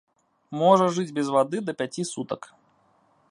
Можа жыць без вады да пяці сутак.